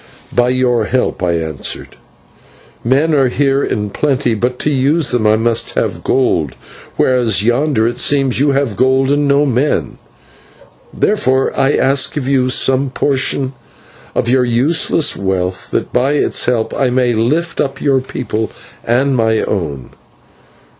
"By your help," I answered. "Men are here in plenty, but to use them I must have gold, whereas yonder it seems you have gold but no men. Therefore I ask of you some portion of your useless wealth that by its help I may lift up your people and my own."